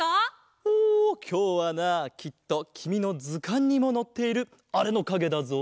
おきょうはなきっときみのずかんにものっているあれのかげだぞ。